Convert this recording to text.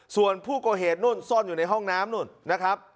ส่วนผู้ก่อเหตุนู่นซ่อนอยู่ในห้องน้ำนู่นนะครับ